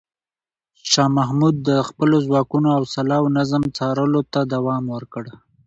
شاه محمود د خپلو ځواکونو حوصله او نظم څارلو ته دوام ورکړ.